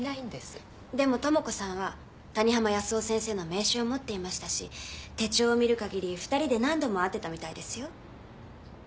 でも朋子さんは谷浜康雄先生の名刺を持っていましたし手帳を見る限り２人で何度も会ってたみたいですよ。